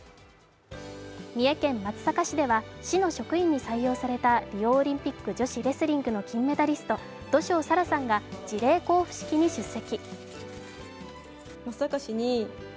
三重県松阪市では、市の職員に採用されたリオオリンピック女子レスリングの金メダリスト土性沙羅さんが辞令交付式に出席。